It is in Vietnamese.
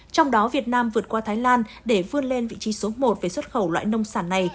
trong đó việt nam vượt qua thái lan để vươn lên vị trí số một về xuất khẩu loại nông sản này